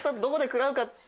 どこでくらうか。